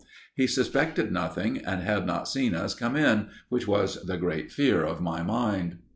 He suspected nothing, and had not seen us come in, which was the great fear in my mind.